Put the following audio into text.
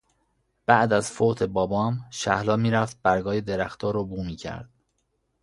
بعد از فوت بابام شهلا می رفت برگای درختا رو بو می کرد